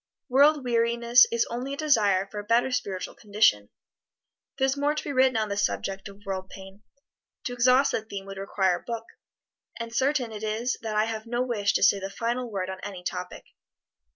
World weariness is only a desire for a better spiritual condition. There is more to be written on this subject of world pain to exhaust the theme would require a book. And certain it is that I have no wish to say the final word on any topic.